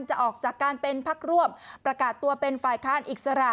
จะออกจากการเป็นพักร่วมประกาศตัวเป็นฝ่ายค้านอิสระ